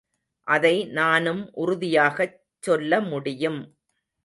அதை நானும் உறுதியாகச் சொல்லமுடியும்.